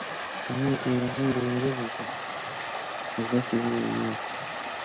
سِواں کاروبار نېرُژیۡ تھُو خو بیع سَلَم روا تھی۔